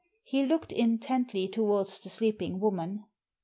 He looked intently to wards the sleeping woman.